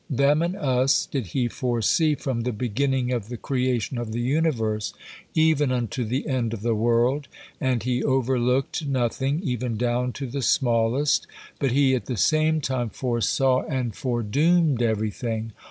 Them and us did He foresee from the beginning of the creation of the universe even unto the end of the world, and He overlooked nothing, even down to the smallest, but He at the same time foresaw and foredoomed everything.